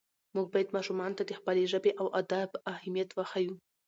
موږ باید ماشومانو ته د خپلې ژبې او ادب اهمیت وښیو